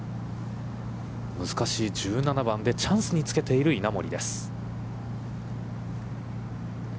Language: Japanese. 難しい１７番でチャンスにつけている稲森です。